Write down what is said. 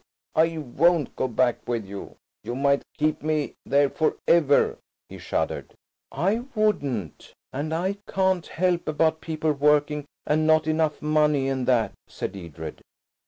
I won't go back with you. You might keep me there for ever." He shuddered. "I wouldn't. And I can't help about people working, and not enough money and that," said Edred.